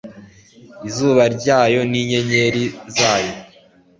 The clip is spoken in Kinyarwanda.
Izuba ryayo ninyenyeri zayo